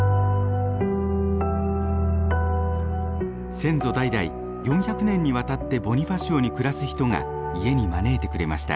先祖代々４００年にわたってボニファシオに暮らす人が家に招いてくれました。